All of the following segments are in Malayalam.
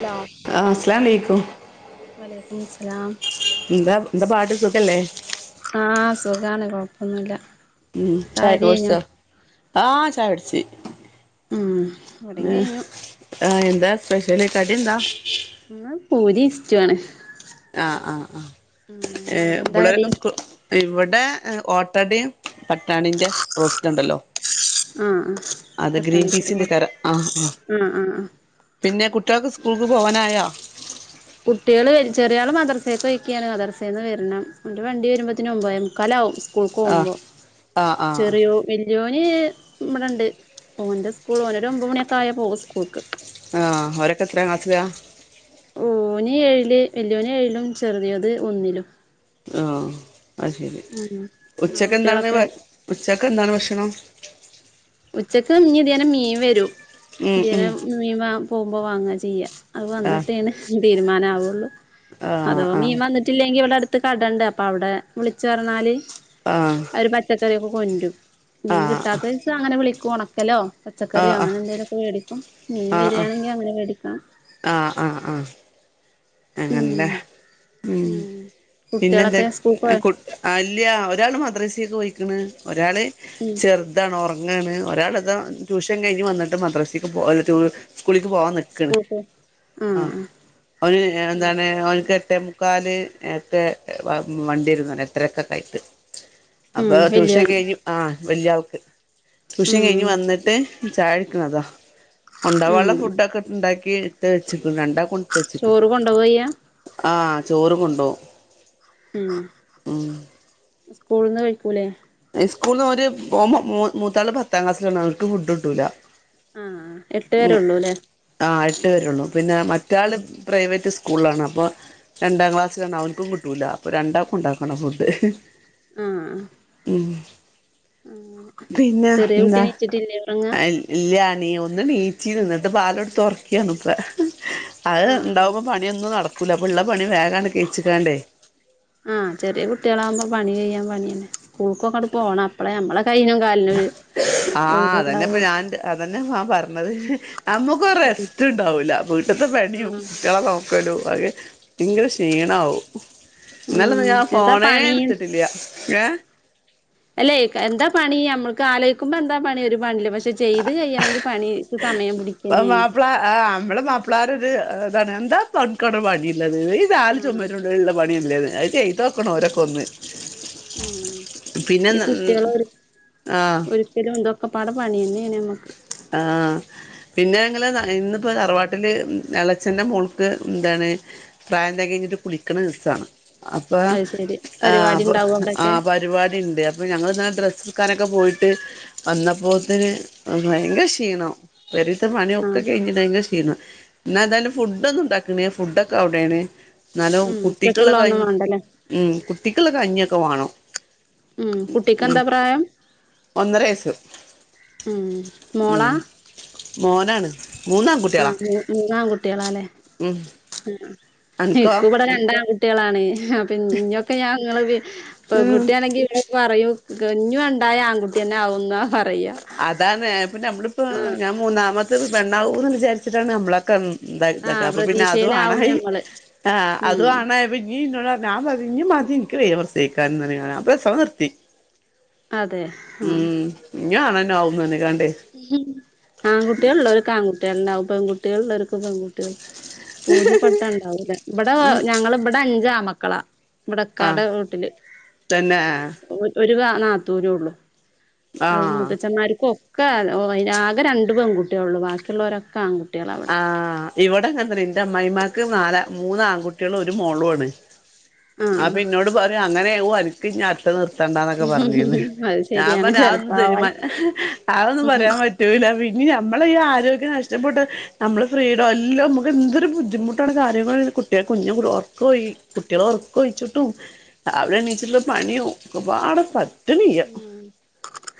ഹലോ ആഹ് അസ്ലാലൈക്കും വലൈക്കും സ്സലാം എന്താ എന്താ പാട്ട് ഖല്ലേ ആഹ സുഖമാണ് കൊഴപ്പൊന്നുമല്ല ഉം ചായക്ക കുടിച്ചോ ആഹ ചായ പിടിച്ച ഉം ഇവടിം ആഹ് കഴിഞ്ഞു ആഹ എന്താ സ്പെഷലി കടി ന്താ ന്ന് പൂരി ഇഷ്ടു മാണ് ആ ആഹ് ആ ഏഹ് അവിടെന്താ കടി പിള്ളേരൊക്കെ സ് കൂ ഇവിടെ ഓട്ടടയും പട്ടാണിന്റെ റോസ്റ്റ് ഉണ്ടല്ലോ ആഹ് ആ അത ഗ്രീൻ പീസിന്റെ കര ആഹ ആ ആഹ് ആഹ് ആഹ് പിന്നെ കുട്ടികൾക്ക് സ്കൂൾക്ക് പോവാനായാ കുട്ടികൾ ചെറിയ ആള് മദർസയൊക്കെ ഒഴക്കുകാണ് മദർസേന്ന് വരണം എന്ന് വണ്ടി വരുമ്പത്തിന് മുമ്പായി മുക്കാലാവും ആ സ്കൂക്ക്കോക്കുമ്പോ ആ ആ ചെറിയോ വലിയോ ഞ് ഇവിടെണ്ട് ഓന്റെ സ്കൂൾ ഓന ഒരഒമ്പത് മണിയൊക്കെ ആയാ പോകും സ്കൂൾക്ക് ആഹ് ഓരൊക്കെ എത്ര ക്ലാസ്സിലാ ഓന് ഏഴില് വല്യോന് ഏഴിലും ചെറുതിയത് ഒന്നിലും ആഹ് അ ശെരി ഉം ഇങ്ങളെ ഉച്ചക്ക് എന്താണ് കുട്ടികളൊക്കെ ഉച്ചക്ക് എന്താണ് ഭക്ഷണം ഉച്ചക്ക് ഇഞ്ഞിതിനെ മീൻ വരൂ ഉം ഇന്ത്യരെ ഉം മൻ പോകുമ്പോ വാങ്ങ ചെയ്യ അത് ആ വന്നിട്ടോണ് തീരുമാനം ആ അഥവാ ആ മീൻ വന്നിട്ടില്ലെങ്കി ഇവിടെ അടുത്ത് കടുണ്ട് അപ്പൊ അവിടെ വിളിച്റഞ്ഞാല് ആഹ് ഒരു പച്ചക്കറിയൊക്കെ കൊണ്ടും മീൻ ആഹ് കിട്ടാത്ത ദിവസ അങ്ങനെ വിളിക്കും ഉണക്കല്ലോ പച്ചക്കറിയോ ആഹ് ആഹ് അങ്ങനെ എന്തെലുംക്കെ മേടിക്കും മീൻ ആഹ് ആഹ് ബിരിയാണെങ്കിൽ അങ്ങനെ മേടിക്കാം ആഹ് ആഹ് ആഹ് അങ്ങനെല്ലേ ഉം ഉം പിന്നെ എന്താ കുട്ടികളൊക്കെ സ്കൂൾക്ക് പോയോ കു അല് ഒരാള് മദ്രസക്ക് പോയി [unintelligible] ഒരാള് ഉം ചെറുതാണ് [unintelligible] ങ്ങാണ് ഒരാളെതാ ട്യൂഷൻ കഴിഞ്ഞ് വന്നിട്ട് മദ്രാസക്ക് പോ [unintelligible] കുളിക്ക് പോവാൻ നിൽക്കണ് സ്കൂൾക്ക് പോയി ആ ആഹ് അവന് ഉം എന്താണ് അവനക്ക് [unintelligible] മുക്കാൽ ഒക്കെ വണ്ടി ഇരുന്നു എത്രയൊക്കെ [unintelligible] അപ്പൊ ഉം ട്യൂഷൻ വല്യോൻ കഴിഞ്ഞ്ഞു ആ വല്യ ആൾക്ക് ട്യൂഷൻ ഉം കഴിഞ് ഉം വന്നിട്ട് ചാഴിക്കണതോ കൊണ്ട വള്ള ഉം ഫുഡ് ഒക്കെ ഉണ്ടാക്കി ഇട്ട് വെച്ച [unintelligible] ചോറ് കൊണ്ടുകയ്യ ആ ചോറ് കൊണ്ടോവും മ് ഉം സ്കൂളന്ന് കഴിക്കൂലേ സ്കൂളിൽന്ന് ഓല് [unintelligible] മൂത്താള പത്താം ക്ലാസിലാണ് അവർക്ക് ഫുഡ് കിട്ടൂല ആഹ് എട്ട് മ് വരെ ഉള്ളൂല്ലേ ആഹ് എട്ട് വരള്ളൂ പിന്നെ മറ്റ ഉം പ്രൈവ സ്കൂളിലാണ് അപ്പോൾ രണ്ടാം ക്ലാസ്സിലാണ് അവനക്കും കിട്ടൂില്ല അപ്പോൾ രണ്ടാ ഉണ്ടാക്കണം ഫുഡ് ആഹ് മ് ആഹ് ചെറിയെ കൂട്ടി നീ ച് ട്ടില്ലേ ആ ഇല്ല നീ ഒന്ന് നീചീ ന്നു നിന്നിട്ട് ബാലോട്ത്ത തുറക്കിയാണ് ഇപ്പ അത് ആഹ് ഇണ്ടാവുമ്പോ പണിയൊന്നും നടക്കൂല അപ്പ ഉള്ള പണി വേഗമാണ് കച്ചിക്കാണ്ടേ ആ ചെറിയ കുട്ടികളാകുമ്പോ പണി കഴ്യാൻ പണിയന്നെ സ്കൂൾക്കൊക്കെട്ട് പോണം അപ്പളേ നമ്മള കയ്യിനും കടലിനും ആ അതന്നെപ്പൊ ഞാൻ അതന്നെ ൻ പറഞ്ഞത് നമ്മുക്ക് ആഹ് രസ്റ്റ് ണ്ടാവൂല ല്ല വീട്ടത്തെ പണിയും കുട്ടികളെ നോക്കലോ അകെ ഭയങ്കര ക്ഷീണമാവും എന്നാല ഒന്ന ഉം ഞാൻ എന്താ ഫോണേ പണി എടുത്തിട്ടില്ല [unintelligible] അല്ലെ എന്താ പണി നമ്മുക്ക് ആലോചിക്കുമ്പോ എന്താ പണി ഒരു പ [unintelligible] പക്ഷെ ചെയ്ത് കഴ്യയാണെങ്കിൽ പണി സമയം പിടിക്കന്നെയാണ് താണ് എന്താ പക്കട പണിയ ഉള്ളത് ഈനാ ല് ആഹ് ചുമറ്റുണ്ട്ള്ള പണിയല്ലത് അത് ചെയ് [unintelligible] ക്കണം ഒരൊക്കെ ഒന്ന് ഉ പിന്നെ ഈ കുട്ടികള ഒരു ഒരിക്കലും എന്തൊക്കെ പാട പണിയന്നെ ആ പിന്നെ അങ്ങള് ഇന്നിപ്പോ തറവാട്ടില് എളച്ചെന്റെ മോൾക്ക് എന്താണ് പ്രായം തികഞ്ഞ കുളിക്കണ ദസാണ് അപ്പൊ അത് ശരി ആ പരിപാടി അപ്പ ഉണ്ടാവും ആ അവിടൊക്കെ പരിപാടി ഉണ്ട് അപ്പൊ ഞങ്ങൾ ന്നലെ ഡ്രസ്സ്‌ സക്കാനൊക്കെ പോയിട്ട് വന്നപ്പോത്തന് ഭയങ്കര ക്ഷീണം ഒരീസം പണിയക്കെ ആഹ് കഴിഞ്ഞിങ്കിൽക്ഷീണം എന്ന എതായാലും ഫുഡ ഒന്നും ഉണ്ടാക്കണ ഫുഡൊക്കെ അവിടൊണ് എന്നാലും ഉം കുട്ടിക്കുള്ള ഉച്ചക്കുള്ള ക ഒന്നും വേണ്ടല്ലേ ഉം കുട്ടിക്കുള്ള കഞ്ഞൊക്കെ വാണം മ് കുട്ടിക്ക്ന്താ പ്രായം ഒന്നര വയസ്സ് മ് മോള ഉം മോനാണ് ആ മൂന്നാൺകുട്ടികളാ മൂന്നാംകുട്ടികളല്ലേ ഉം അൻക്കോ നിക്കൂ ഇവിടെ രണ്ട [unintelligible] കുട്ടികളാണ് അപ്പൊ ഇനൊക്കെ ഞാൻ നി ഉം പെൺകുട്ടിയാണെങ്കി ഇവിടെ പറയും കുഞ്ഞുണ്ടായ ആൺകുട്ടിന്നെ ആകുന്ന പറ അതാണ് ഇപ്പ നമ്മളിപ്പോ ആഹ് ഞാൻ മൂന്നാമത്തെ പെണ്ണാവൂന്ന് വിചാരിച്ചിട്ടാണ് നമ്മളൊക്കെ എന്ത ഇതാക്ക ആഹ് അപ്പൊ പിന്നെ അതുവാണ പ്രതീക്ഷയിലാവും ഞമ്മള് ആ ഉം അതുവാണ ഞ്ഞ മതിഇൻക്ക് വയ്യ പ്രസവിക്കാൻ ഞാൻ പ്രസംവം നിർത്തി അതെ ആ ഞ്ഞും ആണെന്നെ ആവും പറഞ്ഞു ഞ്ഞ ആൺ കുട്ടിള് ഇള്ളോർക്ക് ആൺ കുട്ടിയാള്ണ്ടാവും പെൺ കുട്ടികൾ ഉള്ളോൽക്ക് പെൺകുട്ടികൾ പഊതി പട്ട ഉണ്ടാവൂല ഇവിടെ ഉം ഞങ്ങള് ഇവിടെ അഞ്ചാ മക്കളാ വട ആഹ് ക്കാടെ വീട്ടില് തന്നെ ഒരു കാ നാത്തൂനെ ഉള്ളു അ ഹ് ആഹ് മുത്തച്ഛന്മാർകൊക്കെ ആകെ രണ്ടു പെൺകുട്ടിയള്ളു ബാക്കിയുള്ളവരൊക്കെ ആൺകുട്ടി ആഹ്... ഇവിടെ ഇങ്ങനെ തന്നെ നി ന്റെ അമ്മായിമാക്ക് നാലാ മൂന്ന് ആൺകുട്ടികളും ഒരു മോളുണ് ആഹ് ആപ്പന്നോട് പറയും അങ്ങനെ അക്ക് ഞാ അട്ട നിർ [unintelligible] ത്തണ്ടന്നൊക്കെ പറഞ്ഞിന്ന് അത് ഞാൻ ശരിയാണ് പറഞ്ഞ ആ ത ചെലപ്പാവായി ആന്നും പറയാൻ പറ്റൂല പിന് [unintelligible] ഇനി നമ്മള ഈ ആരോഗ്യം നഷ്ടപ്പെട്ട് നമ്മള് ഫ്രീയുടെ എല്ലാം നമുക്ക് എന്തൊരു ബുദ്ധിമുട്ടാണ് കാര്യ കുട്ടികെ കുഞ് ഓർക്ക് പോയി കുട്ടികളെ ഉറക്കെ ഒഴിച്ചിട്ടും രാവിലെ ണീച്ചിട്ടുള്ള പണിയോ ഒകപാടെ പറ്റ്ണ്യ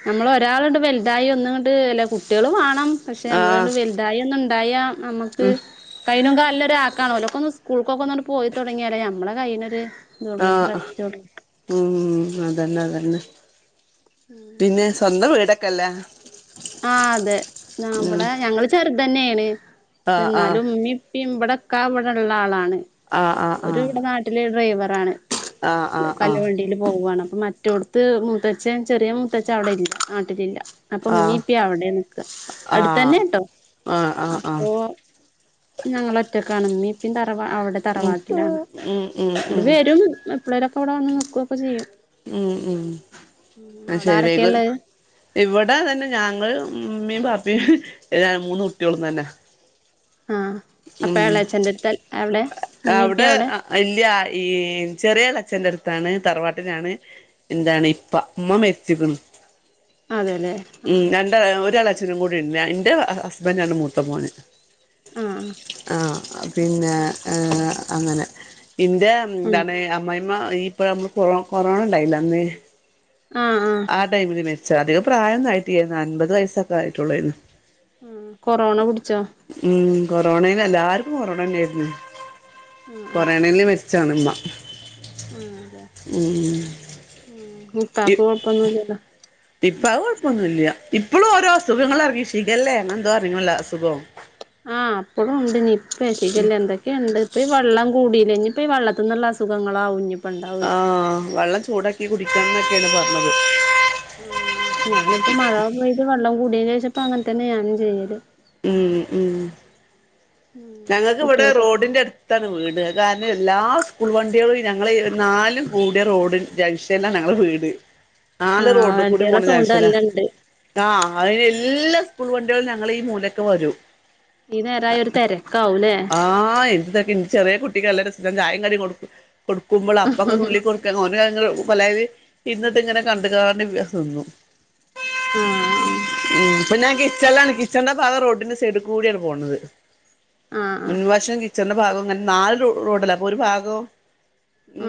നമ്മള ഒരാളണ്ട് വലുതായി ഒന്നുംണ്ട് അല്ല കുട്ടികൾും വേണം പക്ഷെ ആഹ് നമ്മളണ്ട് വലുതായി ഒന്നും ഉണ്ടായ നമുക്ക് ഉം കയ്യിനും കാലിനും നല്ലരാ ആക്കാണല്ലോ ഒക്കെ ഒന്ന് സ്കൂൾക്കൊക്കെ പോയി തുടങ്ങിയാലേ നമ്മളെ കൈനൊര് ആ.... ഉ... അതന്നെ അതന്നെ പിന്നെ സ്വന്തം വീടൊക്കെല്ലേ ആ അതെ ഉം അമ്മടെ ഞങ്ങള് ചെറുത്തന്നെയാണ് ആഹ് ആഹ് എന്നാലും ഉമ്മി പിമ്പടക്കവിടെ ഉള്ള ആളാണ് ആഹ് ആഹ് ഒരു ആഹ് ഇവിടെ നാട്ടിലെ ഡ്രൈവറ ആണ് ആഹ് ആഹ് ആഹ് കല്ലവണ്ടിയില് പോവുവാണ് മറ്റോടത്ത് മൂത്തച്ചൻ ചെറിയ മൂത്തച്ച്ച അവിടെ ഇല്ല നാട്ടിലില്ല ആഹ് അപ്പൊമ്മീപ്പ അവിടെ നിക്ക ആഹ് അടുത്തന്നെ ട്ടോ ആഹ് ആഹ് ആഹ് അപ്പോ ഇപ്പ ഞങ്ങളാ ഒറ്റക്കണമ്മിപ്പ തറവാ അവിടെ ഉം തറവാട്ട് ഉം ഉം ഇങ്ങട്ട് ഉം വരും എപ്പളേരൊക്കെ ഇവിടെ വന്ന് നോക്കയൊക്കെ ചെയ്യും ഉം ഉം ഉം ആ അവിടെ ശരി വൈകും ആരൊക്കെള്ളത് ഇവിടെ അതന്നെ ഞങ്ങ ഉമ്മിപാപ്പിഏ മൂന്ന് കുട്ടിളോം തന്നെ ആഹ് ഉ അപ്പ എളേച്ചന്റെട്ത്ത് അവിടെ ഇമ്മീം അവിടെ ഇപ്പീം അ ഇല്യ ഈ ചെറിയൾ അച്ഛന്റെ അടുത്താണ് തറവാട്ട [unintelligible] എന്താണ് ഇപ്പ ഇമ്മ മരിച്ചിക്ക്ണ് അതെല്ലേ ഉം ആഹ് രണ്ട് ഒരാള് അച്ചനും കൂടി ഉണ്ട്എന്റെ ഹസ്ബൻന്റാണ് മൂത്ത മോന് ആഹ് ആ പിന്നെ അത് ഏ ശരി അങ്ങനെ എന്റെ ഉം എന്താണ് അമ്മായിമ്മ ഇപ്പ നമ്മള് കൊറ കൊറോണ ഉണ്ടായില്ല അന്ന് ആഹ് ആഹ് ആ ടൈമില് മരിച്ചാ അധികം പ്രായം ഒന്നും ആയിട്ടില്ലായിരുന്നു അൻപത് വയസ്സൊക്കെ ആയിട്ടുള്ളായിരുന്നു അ കൊറോണ പിടിച്ചോ ഉം കൊറോണയിൽ എല്ലാവരും കൊറോണ തന്നെയായിരുന്നു ആഹ് കൊറോണയിൽമരിച്ചാണ്‌ മ്മ ആ അതെ ഉ ഇ മുത്താക്ക് കൊഴപ്പൊന്നുംല്ലല്ലോ ഇപ്പ അത് കുഴപ്പൊന്നുമില്ല ഇപ്പോളും ഓരോ അസുഖങ്ങൾ ഇറങ്ങിട്ടില്ലെഷിഖല്ലേ എന്തോ അറിങ്ങല്ല അസുഖം ആഹ് ഇപ്പളും ഉണ്ട് നിപ്പ ശിഖ ല്ല എന്തൊക്കെയുണ്ട് അപ്പ ഈ വെള്ളം കൂടില്ലേ ഇഞ്ഞ് ഇപ്പം വെള്ളത്‌ നിന്ന് ള്ള അസുഖങ്ങളാവും ഇനിയും ആവെള്ളം ചൂടാക്കി കുടിക്കാംന്നൊക്കെയാണ് പറഞ്ഞത് ആ ഞാനിപ്പോ മഴ പെയ്ത് വെള്ളം കൂടിയ ശേഷം അങ്ങനെ തന്നെ ഞാനും ചെയ്യല് ഉം ഉം ഉം ഞങ്ങൾക്ക് ഇവിടെ കുട്ടികൾക്കൊക്കെ റോഡിന്റെ അട് ത്താണ് വീട് അത് കാരണം എല്ലാ സ്കൂൾ വണ്ടിയാളും ഞങ്ങള് നാലും കൂടിയ റോഡ് ജൻഷല്ല ഞങ്ങള് വീട് ആള് ആഹ് റോട്ട് കൂടി വണ്ടികളെ പോണ സൗണ്ട് ജങ്ഷനാ നല്ലണ്ട് ട്ടോ അയ്ൻ എല്ലാ സ്കൂൾ വണ്ടിയാളും ഞങ്ങളെ ഈ മൂലക്കെ വരൂ ഈ നേരായ ഒരു തെരു ആഹ് എന്ന്ത്തൊക്കെ ചെറിയ കുട്ടിക്ക്ല്ല രസൻ കായം കറി കൊടുക്ക [unintelligible] കൊടുക്കുമ്പോൾ അപ്പൊക്ക തുള്ളി കൊടുക്ക അവനെ ഭയങ്ക പല് ഇന്നിട്ട് ഇങ്ങനെ കണ്ട കണ്ട് ന്നു ആഹ അപ്പൊ ഞാൻ കിച്ചണിലാണ് കിച്ചണന്റെ ഭാഗം റോഡിന്റെ സൈഡിൽ കൂടിയാണ് പോണുന്നത് ആഹ് ആഹ് മുൻവാശും കിച്ചണന്റെ ഭാഗവും അങ്ങനെ നാല് റോഡല്ല അപ്പൊ ഒരു ഭാഗവും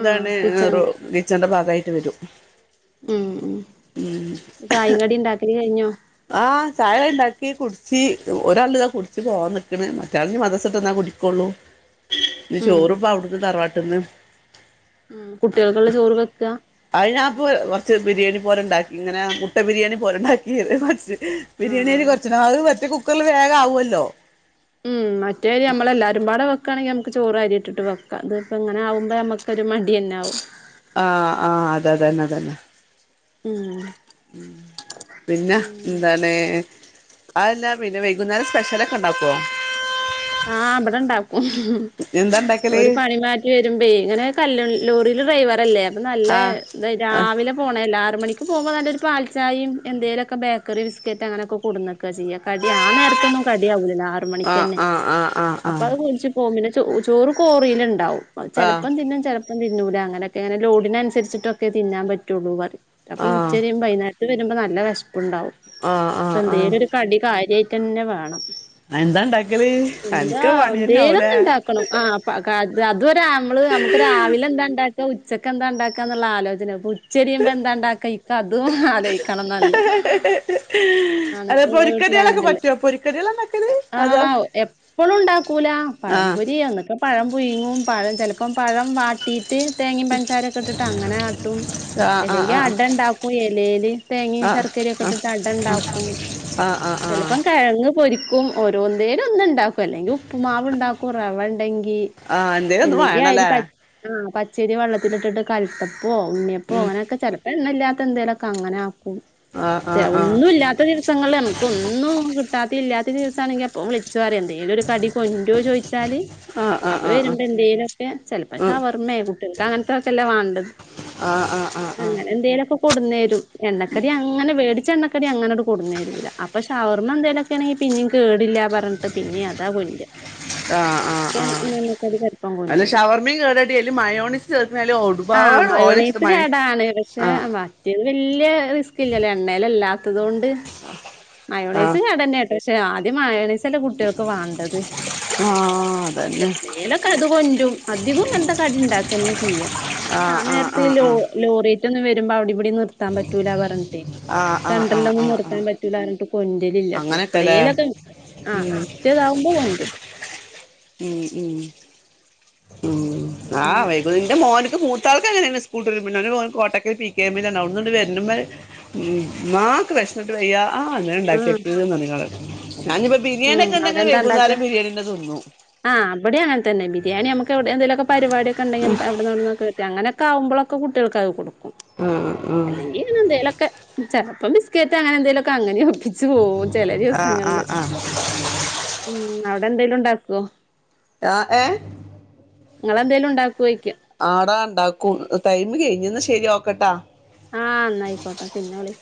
ആഹ് കിച്ചൺ റോ കിച്ചന്റെ ഭാഗായിട്ട് വരും ഉം ഉം ഉം ചായിം കടി ഉണ്ടാക്കല് കഴിഞ്ഞോ ആഹ് ചായ ഉണ്ടാക്കി കുടിച്ച് ഒരാള് ഇതാ കുടിച്ച് പോവാൻ നൽക്കണ ആൾ മദ്രസ്ട്ട് വന്നാ കുടിക്കള്ളൂ ഇഞ്ഞി ഉം ചോറ് ഇപ്പ അവിടുുന്നു തറവാട്ടിൽന്ന് ഉം കുട്ടികൾക്കുള്ള ചോറ് വെക്കാ കൊറച്ച് ബിരിയാണി പോലെ ഉണ്ടാക്കി ഇങ്ങനെ മുട്ട ബിരിയാണി പോലെ ഉണ്ടാക്കില്ല കുറച്ച് ബിരിയാണി ആഹ് കൊറച്ച് അത് മറ്റേ കുക്കറില് വേഗം ആവല്ലോ ഉം മറ്റേരി നമ്മളെല്ലാരും പാട വെക്കയാണെങ്കിൽ നമുക്ക് ചോറ് അരിട്ട് വെക്കാം ത് ഇപ്പ ഇങ്ങനെകുമ്പോ നമുക്ക് ഒരു മടി തന്നൊവും ആഹ് ആഹ് അതതന്നെ അതന്നെ ഉം പിന്നെ അങ്ങനെ എന്താണ് അതല്ല പിന്നെ വൈകുന്നേരം സ്പെഷ്യല് ഒക്കെ ഉണ്ടാക്കുവോ ആ ബടണ്ടാക്കും എന്താ ഉണ്ടാക്കല് ഒരു പണി മാറ്റി വരുമ്പ ഇങ്ങനെ ലോറിൽ ഡ്രൈവ- ല്ലേ അപ്പൊ നല്ല ആഹ് ആഹ് രാവിലെ പോണ അല്ല ആറ് മണിക്കും പോക്പോ നല്ലൊരു പാൽചായയും എന്തെേലുമൊക്കെ ബേക്കറി ബിസ്ക്കറ്റ് അങ്ങനെയൊക്കെ കൊടുന്നൊക്കെ ചെയ്യാം കടി ആ നേരത്തൊന്നും കടി ആവൂല ആറ് മണിക്ക് ആഹ് തന്നെ ആഹ് ആഹ് അപ്പൊ അത് ആഹ് കുടിച്ച് പോും പിന്നെ ചോ ചോറ് കോറിൽ ഉണ്ടാവും ആഹ് ചെിലപ്പം തിന്നും ചെലപ്പം തിന്നൂല അങ്ങനെയൊക്കെ അങ്ങനെ ലോഡിനനുസരിച്ചിട്ടൊക്കെ തിന്നാൻ പറ്റുള്ളൂ പറ അപ്പൊ ഉച്ച ആഹ് ചെയ്യുമ്പോ വൈകുന്നേരത്ത വരുമ്പോ നല്ല വിഷപ്പണ്ടാവും ആഹ് ആഹ് ഇപ്പൊ ആഹ് എന്തേലും ഒരു കടി കാര്യ തന്നെ വേണം എന്താണ്ടാക്കല് എന്താ എന്തേലൊന്ന് ഉണ്ടാക്കണം ആ് അത്വരെ നമ്മള് നമുക്ക് രാവിലെ എന്താ ഉണ്ടാക്ക ഉച്ചക്ക്ന്താ ഉണ്ടാക്കാ എന്നുള്ള ആലോചന ചെരിയുമ്പ എന്താണ്ടാക്ക ഇപ്പ അതും ആലോയിക്കണംന്നല്ലോ അത പൊരിക്കടികളൊക്കെ പറ്റുമോ പൊരിക്കടികള ണ്ടാക്കല് ആഹ് എപ്പഴും ഉണ്ടാക്കൂല പഴംപൊരി ആഹ് അന്നൊക്കെ പഴം പുരിങ്ങും പഴം ചിലപ്പോ ഇപ്പം പഴം വാട്ടിയിട്ട് തേങ്ങയും പഞ്ചാരയൊക്കെ ഇട്ടിട്ട് അങ്ങനെ കാട്ടും ആഹ് അല്ലെങ്കിൽ ആഹ് അട ഇണ്ടാക്കും ഇലേൽ തേങ്ങയും ആഹ് ആഹ് ചർക്കര ഒക്കെ ഇട്ടിട്ട് അട ഉണ്ടാക്കും ആഹ് ആഹ് ആഹ് ആഹ് ചെലപ്പം കിഴങ്ങ് പൊരിക്കും ഓരോന്തേലും ഒന്നും ഉണ്ടാക്കും അല്ലെങ്കിൽ ഉപ്പ് മാവ് ഉണ്ടാക്കും റവ ഉണ്ടെങ്കി ആഹ് എന്തേലും ഒന്ന് അല്ലെങ്കി ആ വേണല്ലേ പച്ചരി വെള്ളത്തിലിട്ടിട്ട് കൽത്തപ്പപ്പോ ഉണ്യപ്പോ ഉം അങ്ങനെയൊക്കെ ചെലപ്പോ എണ്ണല്ലാത്ത എന്തേലൊക്കെ അങ്ങനാ ആഹ് ആഹ് ഒന്നുല്ല ദിവസങ്ങള് നമുൊന്നും കിട്ടാത്തി ഇല്ലാത്ത ദിവസ ആണെങ്കിൽ അപ്പ ച്ചു പറിഎന്തേങ്കലും ഒരു കടി കൊണ്ടരോ ചോദിച്ചാല് ആഹ് ആഹ് അപ്പൊ ആഹ് ആഹ് ആഹ് വരുമ്പോ എന്തേലുംക്കെ ചെലപ്പോ ഉം ശവർമ്മയ കുട്ടികൾക്ക് അങ്ങനത്തെൊക്കെല്ല വേണ്ടത് ആഹ് ആഹ് ആഹ് ആഹ് അങ്ങനെ എന്തേങ്കലുംക്കെ കൊടുന്നേരും എണ്ണക്കടി അങ്ങനെ വേടിച്ച എണ്ണക്കടി അങ്ങനെ കൊടന്ന തരൂല അപ്പൊ ഷവർമ്മ എന്തേലൊക്കെയ ആണെങ്കിൽ പിന്നും കേടില്ല പറഞ്ഞിട്ട് പിന്നെ അതാ കൊണ്ടര ആഹ് ആഹ് ആഹ് അല്ല കൊണ്ടൂല ഷവർമ്മയും കേടാടി അയല് മഴോണോയ്‌സ് ചേർക്കും ഒടുവാ ആ മയോണീസ് കേടാണ് പക്ഷെ മറ്റിയത് വല്ല്യ റിസ്ക് ഇല്ലല്ലേ എണ്ണൽല്ലാ ത്തണ്ട് ആഹ് മയോണൈസും കേടന്നെട്ടോ പക്ഷെ ആദ്യം മയോണൈ ചില കുട്ടികൾക്ക് വേണ്ടത് ആ അതെ എപ്പളേലൊക്കെ അത് കൊണ്ടരും അധികവും ങ്ങനത്തെ കടി ഉണ്ടാക്ക തന്നെ ചെയ്യാം അ ആ ആഹ് ആഹ് ആഹ് നേരത്തിലോ ആഹ് ലോറിന്നന്ന് വ അവിടി നിർത്താൻ പറ്റൂല പറഞ്ഞട്ട് ആഹ് ആഹ് ആഹ് സെയ്‌സ്ലൊന്നും ആഹ് നിർത്താൻ ആഹ് പറ്റൂല കൊണ്ടിലില്ല അങ്ങനെയൊക്കെല്ലേ എപ്പളേലൊക്കെ ആ ഉം പറ്റിയതാവുമ്പോ കൊണ്ടും ഉം ഉം ആ അങ്ങനെ വൈകനിന്റെ മോന് മൂത്താൾക്കങ്ങനെയ സ്കൂൾട്ടരുമ്പോ കോട്ടക്കൽ പി കെ എമ്മിലാണ് ഔട്ന്ന്ങ്ങട്ട് വരു ആക്ക് വെശ്ന്ന്ട്ട വയ്യ ആ ആഹ് ന്ന്ണ്ടാക്കിക്ക്ന്നർഞ് കാണ് ഉം അവിടെന്താ ഉണ്ടാക്ക വൈകുന്നേരം ബിരിയാണി തന്നെ തിന്നും ആഹ ഇവിടെങ്ങ തന്നെ ബിരിയാണമുക്കൊവ്ടേ ന്തേലും പരിപാടിക്കെണ്ടെങ്കിലവിടെന്ന് അങ്ങനൊക്കെമ്പോഴകുട്ടികൾക്കായി കൊടു ആഹ് ആഹ് അല്ലെങ്കി ങ്ങനെന്തേലൊക്കെ ചെൽപ്പം ബിസ്കറ്റ് അങ്ങനെന്തേലൊക്കെ അങ്ങനെ പ്പിച്ചു പോവും ചില ദിവസങ്ങളില്. ആഹ് ആഹ് മ് അവിടെന്തെലും ഉണ്ടാക്കൊ? ആ ഏ നിങ്ങെളെന്തലുണ്ടാക്കുവോ? ആടാ ഉണ്ടാക്കും ടൈം കഴിഞ്ഞന്ന ശരി ക്കട്ടാ ആ ന്നായിക്കോട്ടെ പിന്നെ വിളി